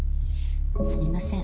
すみません